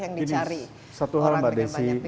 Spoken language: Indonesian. yang dicari orang dengan banyak pihak